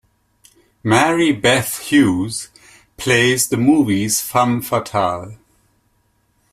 Mary Beth Hughes plays the movie's femme fatale.